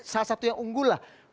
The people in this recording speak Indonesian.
salah satu yang unggul lah